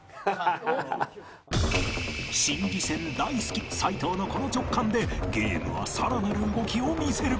心理戦大好き齊藤のこの直感でゲームはさらなる動きを見せる